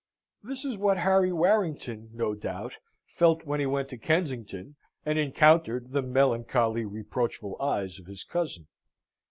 This is what Harry Warrington, no doubt, felt when he went to Kensington and encountered the melancholy, reproachful eyes of his cousin.